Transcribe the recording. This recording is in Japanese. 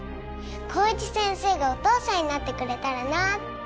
公一先生が、お父さんになってくれたらな。